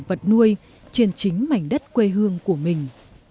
vật nuôi trên chính mảnh đất quê hương của mình